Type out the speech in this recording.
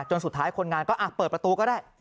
สุดท้ายคนงานก็เปิดประตูก็ได้